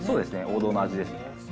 王道の味ですね。